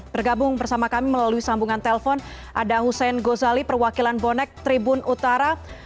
bergabung bersama kami melalui sambungan telpon ada hussein gozali perwakilan bonek tribun utara